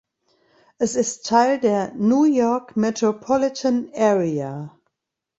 Es ist Teil der New York Metropolitan Area.